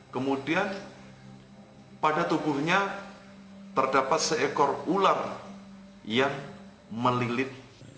kemudian pada tubuhnya terdapat seekor ular yang melilit